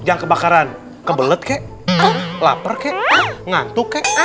yang kebakaran kebelet kek lapar kek ngantuk kek